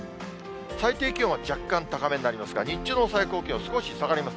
最低気温は若干高めになりますが、日中の最高気温、少し下がります。